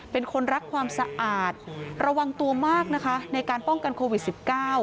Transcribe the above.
เป็นคนรักความสะอาดระวังตัวมากนะคะในการป้องกันโควิด๑๙